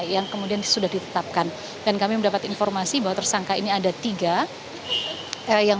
yang kemudian sudah ditetapkan dan kami mendapat informasi bahwa tersangka ini ada tiga yang